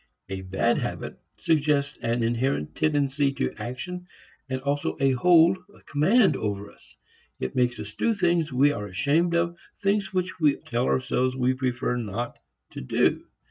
A bad habit suggests an inherent tendency to action and also a hold, command over us. It makes us do things we are ashamed of, things which we tell ourselves we prefer not to do.